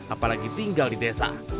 apalagi tinggal di desa